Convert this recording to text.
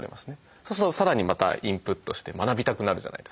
そうするとさらにまたインプットして学びたくなるじゃないですか。